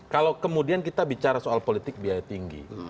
kalau kemudian kita bicara soal politik biaya tinggi